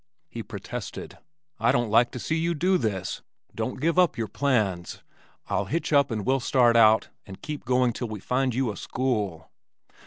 He protested, "I don't like to see you do this. Don't give up your plans. I'll hitch up and we'll start out and keep going till we find you a school."